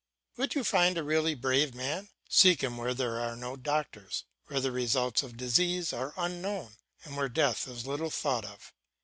Would you find a really brave man? Seek him where there are no doctors, where the results of disease are unknown, and where death is little thought of.